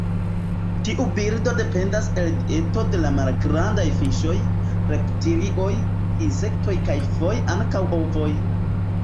Tiu birdo dependas el dieto de malgrandaj fiŝoj, reptilioj, insektoj kaj foje ankaŭ ovoj.